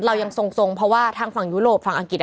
เรายังทรงเพราะว่าทางฟังยุโรปฯฯฯฯฯ